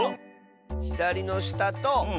ひだりのしたとうえ。